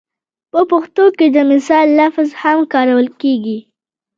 په پښتو کې د مثال لفظ هم کارول کېږي